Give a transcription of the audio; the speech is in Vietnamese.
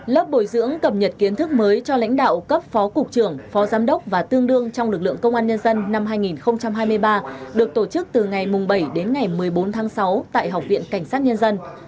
lớp bồi dưỡng cập nhật kiến thức mới cho lãnh đạo cấp phó cục trưởng phó giám đốc và tương đương trong lực lượng công an nhân dân năm hai nghìn hai mươi ba được tổ chức từ ngày bảy đến ngày một mươi bốn tháng sáu tại học viện cảnh sát nhân dân